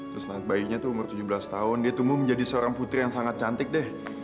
terus anak bayinya tuh umur tujuh belas tahun dia tumbuh menjadi seorang putri yang sangat cantik deh